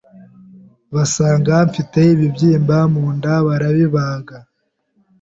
basanga mfite ibibyimba munda barabibaga